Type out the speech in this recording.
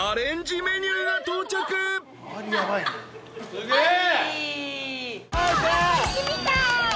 すげえ！